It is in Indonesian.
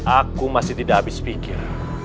aku masih tidak habis pikir